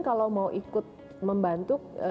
kalau mau ikut membantu